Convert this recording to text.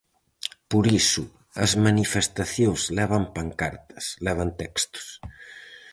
Por iso as manifestacións levan pancartas, levan textos.